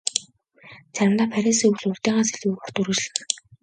Заримдаа Парисын өвөл урьдынхаас илүү урт үргэлжилнэ.